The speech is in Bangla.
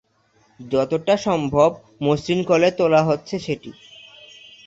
যতটা সম্ভব মসৃণ করে তোলা হচ্ছে সেটি।